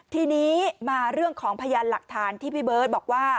ทีนี้มาเรื่องของพยานหลักฐานที่พี่เบิร์ตบอกว่า